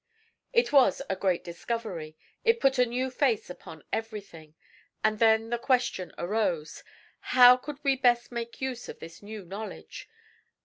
It was a great discovery. It put a new face upon everything. And then the question arose: How could we best make use of this new knowledge?